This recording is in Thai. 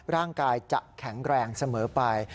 ร่างกายจะแข็งแรงเสมอไป